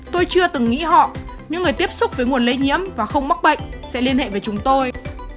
tôi chưa từng nghĩ họ những người tiếp xúc với nguồn lây nhiễm và không mắc bệnh sẽ liên hệ với chúng tôi